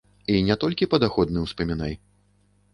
І не толькі падаходны ўспамінай.